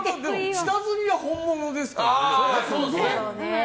下積みは本物ですからね。